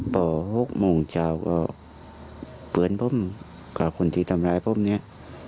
พอ๖โมงเช้าก็เพื่อนผมกับคนที่ทำร้ายผมเนี่ย